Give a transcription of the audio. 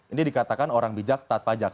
ini dikatakan orang bijak taat pajak